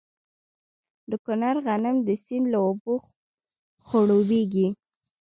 د کونړ غنم د سیند له اوبو خړوبیږي.